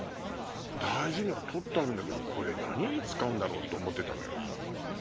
大事には取ってあるんだけど何に使うんだろう？って思ってた。